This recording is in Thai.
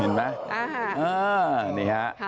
เป็นว่าชงดี